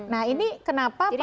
nah ini kenapa perlu